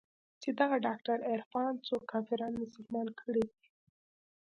چې دغه ډاکتر عرفان څو کافران مسلمانان کړي دي.